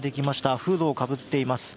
フードをかぶっています。